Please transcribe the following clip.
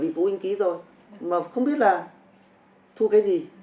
phụ huynh ký rồi mà không biết là thu cái gì